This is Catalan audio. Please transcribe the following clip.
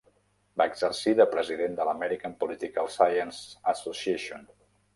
Va exercir de president de l'American Political Science Association.